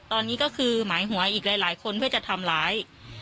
ตอนนี้ก็คือหมายหัวอีกหลายคนเพื่อจะทำร้าย